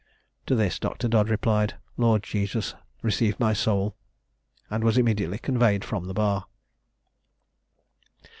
To this Dr. Dodd replied, "Lord Jesus, receive my soul!" and was immediately conveyed from the bar.